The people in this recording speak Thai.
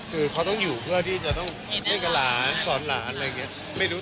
คือเขาต้องอยู่เพื่อที่จะต้องเล่นกับหลานสอนหลานอะไรอย่างนี้